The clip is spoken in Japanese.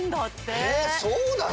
へえそうなの？